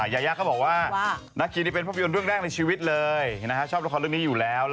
ยายาเขาบอกว่านาคีนี่เป็นภาพยนตร์เรื่องแรกในชีวิตเลยชอบละครเรื่องนี้อยู่แล้ว